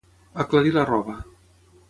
Aclarir la roba.